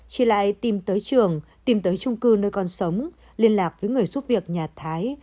chị lại tìm tới trường tìm tới trung cư nơi con sống liên lạc với người giúp việc nhà thái